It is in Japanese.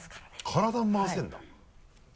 体も回せるんだ。